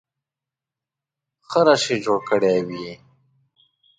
ښه رش یې جوړ کړی وي.